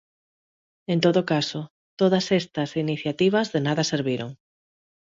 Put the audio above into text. En todo caso, todas estas iniciativas de nada serviron.